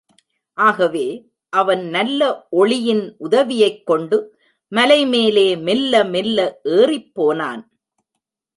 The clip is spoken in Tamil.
ஆகவே, அவன் நல்ல ஒளியின் உதவியைக் கொண்டு மலை மேலே மெல்ல மெல்ல ஏறிப் போனான்.